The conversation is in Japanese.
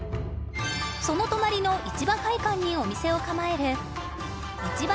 その隣の市場会館にお店を構える市場